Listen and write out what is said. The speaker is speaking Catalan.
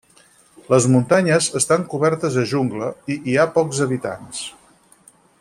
Les muntanyes estan cobertes de jungla i hi ha pocs habitants.